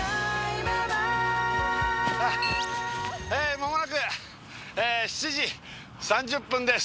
間もなく７時３０分です。